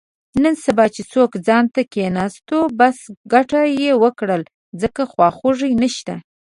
نن سبا چې څوک ځانته کېناستو، بس ګټه یې وکړه، ځکه خواخوږی نشته.